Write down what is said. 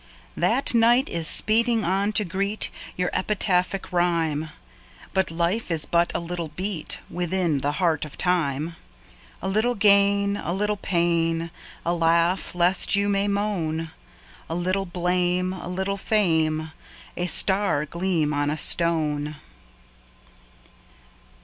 That night is speeding on to greet Your epitaphic rhyme. Your life is but a little beat Within the heart of Time. A little gain, a little pain, A laugh, lest you may moan; A little blame, a little fame, A star gleam on a stone.